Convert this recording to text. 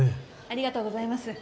ありがとうございます。